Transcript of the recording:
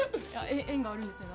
縁があるんですよね。